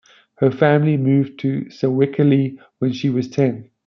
Her family moved to Sewickley when she was ten.